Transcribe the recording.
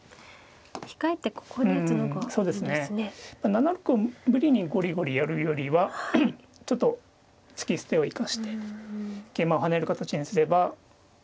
７六を無理にごりごりやるよりはちょっと突き捨てを生かして桂馬を跳ねる形にすれば。